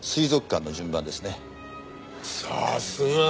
さすが。